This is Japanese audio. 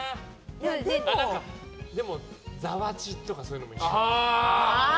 でも、ざわちんとかそういうのもいるじゃん。